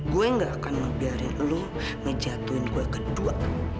gue gak akan membiarkan lu ngejatuhin gue kedua